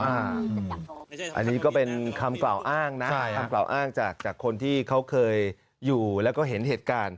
อันนี้ก็เป็นคำกล่าวอ้างนะคำกล่าวอ้างจากคนที่เขาเคยอยู่แล้วก็เห็นเหตุการณ์